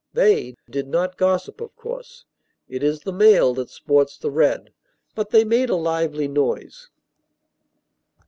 They did not gossip, of course (it is the male that sports the red), but they made a lively noise.